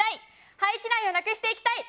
廃棄苗をなくしていきたい！